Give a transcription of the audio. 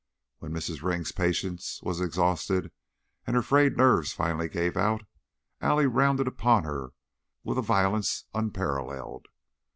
When Mrs. Ring's patience was exhausted and her frayed nerves finally gave out, Allie rounded upon her with a violence unparalleled.